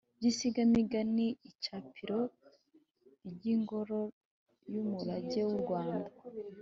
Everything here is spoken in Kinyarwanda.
by’insigamigani, icapiro ry’ingoro y’umurage w’u rwanda,